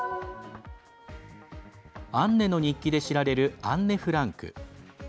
「アンネの日記」で知られるアンネ・フランク。